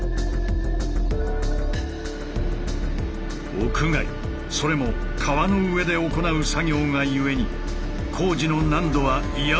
屋外それも川の上で行う作業がゆえに工事の難度はいやおうなしに上がる。